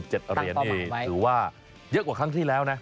๗เหรียญนี่ถือว่าเยอะกว่าครั้งที่แล้วนะ